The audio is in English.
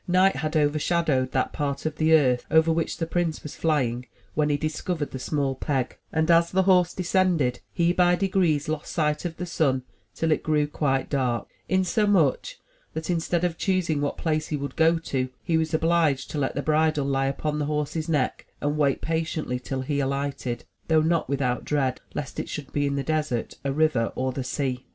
Night had overshadowed that part of the earth over which the prince was flying when he discovered the small peg; and as the horse descended, he by degrees lost sight of the sun till it grew quite dark, insomuch that, instead of choosing what place he would go to, he was obliged to let the bridle lie upon the horse's neck and wait patiently till he alighted, though not with out dread lest it should be in the desert, a river or the sea.